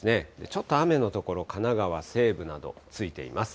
ちょっと雨の所、神奈川西部など、ついています。